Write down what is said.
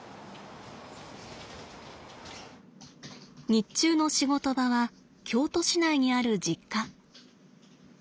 日中の仕事場は京都市内にある実家。